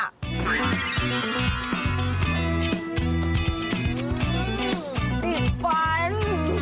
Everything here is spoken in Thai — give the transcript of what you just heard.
ติดฝัน